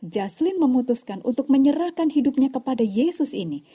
jaseline memutuskan untuk menyerahkan hidupnya kepada yesus ini